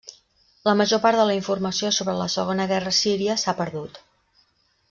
La major part de la informació sobre la segona guerra síria s'ha perdut.